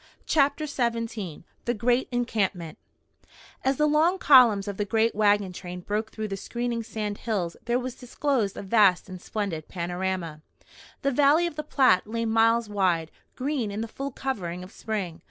CHAPTER XVII THE GREAT ENCAMPMENT As the long columns of the great wagon train broke through the screening sand hills there was disclosed a vast and splendid panorama. The valley of the Platte lay miles wide, green in the full covering of spring.